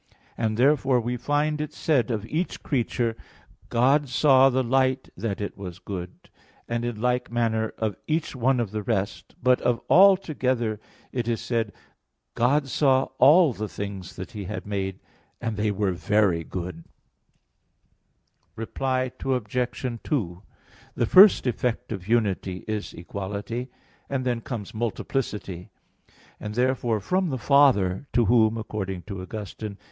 And therefore we find it said of each creature, "God saw the light that it was good" (Gen. 1:4); and in like manner of each one of the rest. But of all together it is said, "God saw all the things that He had made, and they were very good" (Gen. 1:31). Reply Obj. 2: The first effect of unity is equality; and then comes multiplicity; and therefore from the Father, to Whom, according to Augustine (De Doctr.